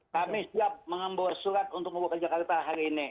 kami siap mengembor surat untuk membuka jakarta hari ini